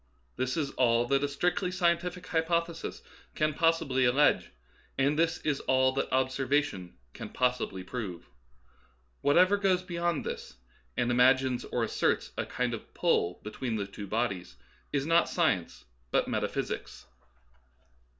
This is all that a strictly scientific hypothesis can possibly allege, and this is all that observation can possibly prove. Whatever goes beyond this, and imagines or as serts a kind of "pull" between the two bodies, is not science, but metaphysics.